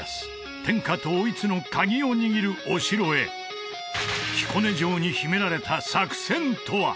天下統一のカギを握るお城へ彦根城に秘められた作戦とは？